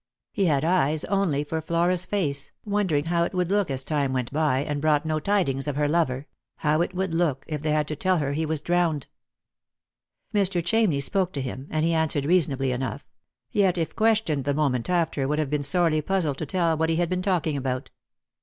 He had eyes only for Flora's face, wondering how it would look as time went by and brought no tidings of her lover— how it would look if they had to tell her he was drowned. Mr. Chamney spoke to him, and he answered reasonably enough ; yet, if questioned the moment after, would have been sorely puzzled to tell what he had been talking about.